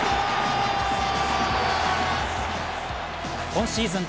今シーズン